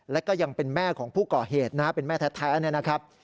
และก็ยังเป็นแม่ของผู้ก่อเหตุนะฮะเป็นแม่แท้เนี่ยนะครับ